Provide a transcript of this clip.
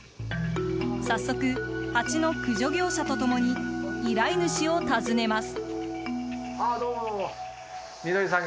早速、ハチの駆除業者と共に依頼主を訪ねます。